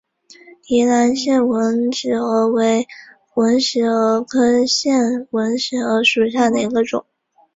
宜兰腺纹石娥为纹石蛾科腺纹石蛾属下的一个种。